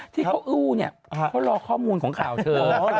ที่เขาอื้อเนี่ยเขารอข้อมูลของข่าวเธอ